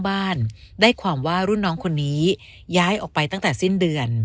บ้านได้ความว่ารุ่นน้องคนนี้ย้ายออกไปตั้งแต่สิ้นเดือน